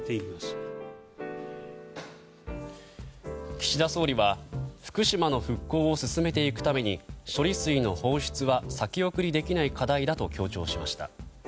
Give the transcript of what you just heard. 岸田総理は福島の復興を進めていくために処理水の放出は先送りできない課題だと強調しました。